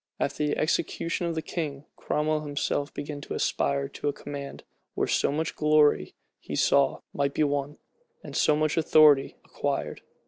After the execution of the king, Cromwell himself began to aspire to a command, where so much glory, he saw, might be won, and so much authority acquired.